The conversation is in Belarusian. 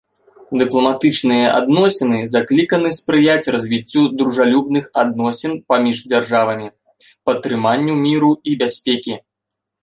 Дыпламатычныя адносіны закліканы спрыяць развіццю дружалюбных адносін паміж дзяржавамі, падтрыманню міру і бяспекі.